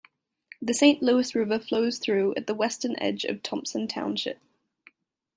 The Saint Louis River flows through at the western edge of Thomson Township.